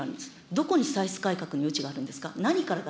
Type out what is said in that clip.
どこに歳出改革の余地があるんですか。